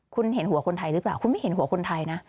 คุณเห็นหัวคนไทยหรือเปล่าคุณไม่เห็นหัวคนไทยนะ